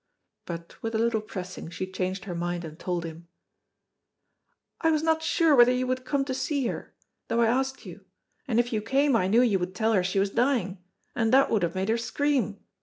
But with a little pressing she changed her mind and told him. "I was not sure whether you would come to see her, though I asked you, and if you came I knew you would tell her she was dying, and that would have made her scream.